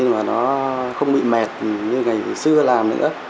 nó không bị mệt như ngày xưa làm nữa